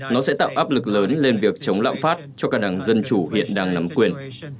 nó sẽ tạo áp lực lớn lên việc chống lạm phát cho cả đảng dân chủ hiện đang nắm quyền